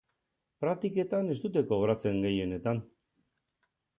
Praktiketan ez dute kobratzen, gehienetan.